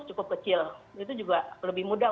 cukup kecil itu juga lebih mudah